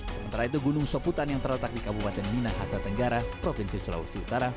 sementara itu gunung soputan yang terletak di kabupaten minahasa tenggara provinsi sulawesi utara